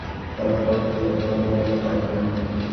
স্বয়ং বুদ্ধ, তাঁর ধর্ম ও তাঁর সঙ্ঘ।